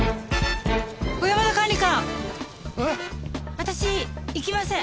私行きません。